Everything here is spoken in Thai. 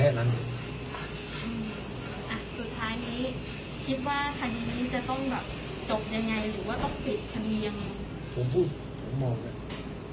อ่ะสุดท้ายนี้คิดว่าทางนี้จะต้องแบบจบยังไงหรือว่าต้องปิดทางเมียง